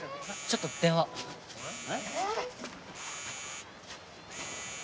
ちょっと電話えっ？